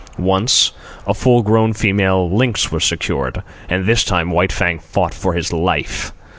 Once, a full grown female lynx was secured, and this time White Fang fought for his life.